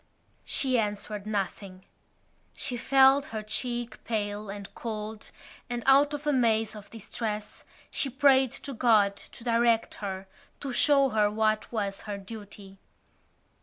She answered nothing. She felt her cheek pale and cold and, out of a maze of distress, she prayed to God to direct her, to show her what was her duty.